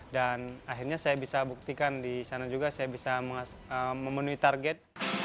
dan akhirnya saya bisa buktikan di sana juga saya bisa memenuhi target